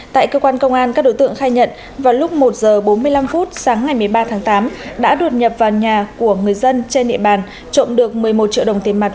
tại cơ quan công an các đối tượng khai nhận vào lúc một h bốn mươi năm phút sáng ngày một mươi ba tháng tám đã đột nhập vào nhà của người dân trên địa bàn trộm được một mươi một triệu đồng tiền mặt